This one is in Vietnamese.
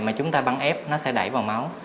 mà chúng ta bắn ép nó sẽ đẩy vào máu